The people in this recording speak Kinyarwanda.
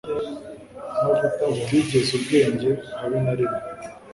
bitigeze ubwenge habe na rimwe